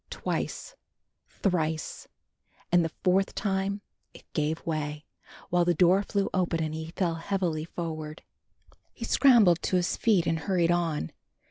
Twice. Thrice. And the fourth time it gave way, while the door flew open and he fell heavily forward. He scrambled to his feet and hurried on.